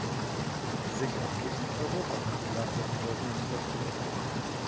Sicher, nicht nur Europa hat die Lage in Bosnien falsch beurteilt.